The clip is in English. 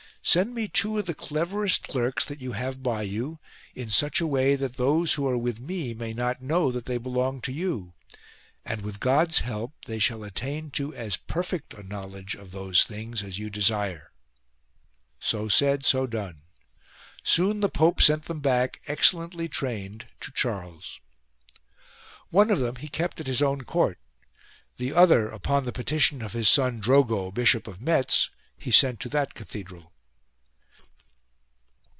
Send me two of the cleverest clerks that you have by you, in such a way that those who are with me may not know that they belong to you, and, with God's help, they shall attain to as perfect a knowledge of those things as you desire." So said, so done. Soon the Pope sent them back excellently trained to Charles. 74 THE MONASTERY OF ST GALL One of them he kept at his own court : the other upon the petition of his son Drogo, Bishop of Metz, he sent to that cathedral.